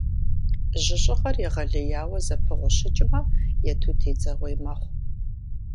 Жьыщӏыгъэр егъэлеяуэ зэпыгъущыкӏмэ, ету тедзэгъуей мэхъу.